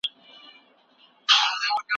لوګیو او ورېځو د اسمان شین رنګ بیخي پټ کړی و.